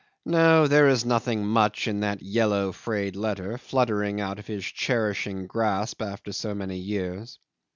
... No, there is nothing much in that yellow frayed letter fluttering out of his cherishing grasp after so many years.